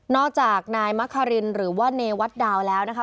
นอกจากนายมะครินหรือว่าเนวัสต์ดาวน์แล้วนะคะ